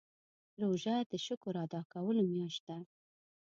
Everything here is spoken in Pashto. روژه د شکر ادا کولو میاشت ده.